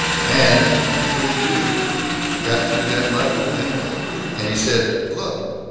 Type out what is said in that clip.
"And Fooled you! Got through that mudhole, anyway! And he said Look!